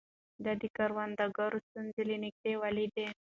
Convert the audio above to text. ده د کروندګرو ستونزې له نږدې ليدلې.